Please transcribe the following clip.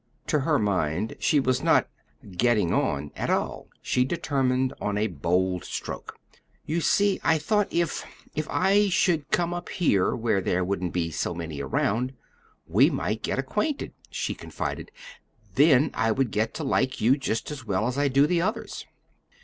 To her mind she was not "getting on" at all. She determined on a bold stroke. "You see, I thought if if I should come up here, where there wouldn't be so many around, we might get acquainted," she confided; "then I would get to like you just as well as I do the others."